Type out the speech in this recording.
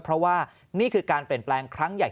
เพราะว่านี่คือการเปลี่ยนแปลงครั้งใหญ่